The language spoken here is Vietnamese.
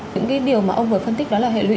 những cái điều mà ông vừa phân tích đó là hệ lụy